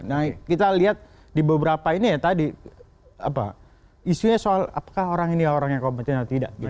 nah kita lihat di beberapa ini ya tadi isunya soal apakah orang ini orang yang kompeten atau tidak